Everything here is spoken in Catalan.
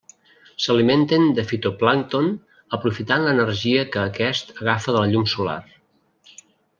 S'alimenten de fitoplàncton, aprofitant l'energia que aquest agafa de la llum solar.